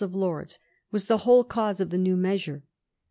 233 of Lords was the whole cause of the new measure.